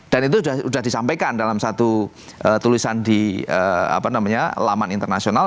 dan itu sudah disampaikan dalam satu tulisan di laman internasional